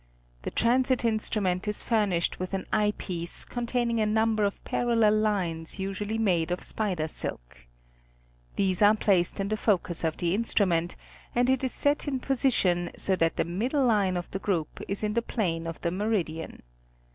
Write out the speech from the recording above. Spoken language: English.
The transit instrument is furnished with an eye piece containing a number of parallel lines usually made of spider silk. These are placed in the focus of the instrument, and it is set in — position, so that the middle line of the group is in the plane of the meridian.